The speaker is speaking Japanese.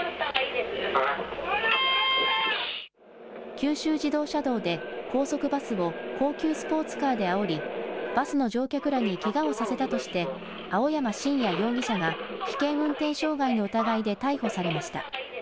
九州自動車道で、高速バスを高級スポーツカーであおり、バスの乗客らにけがをさせたとして、青山真也容疑者が、危険運転傷害の疑いで逮捕されました。